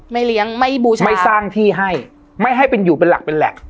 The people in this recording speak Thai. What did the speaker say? เลี้ยงไม่บูชาไม่สร้างที่ให้ไม่ให้เป็นอยู่เป็นหลักเป็นแหล่ง